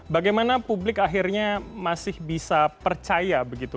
bagaimana publik akhirnya masih bisa percaya begitu